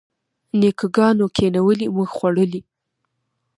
نیکه ګانو کینولي موږ خوړلي.